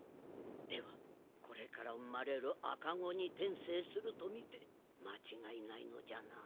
ではこれから生まれる赤子に転生すると見て間違いないのじゃな？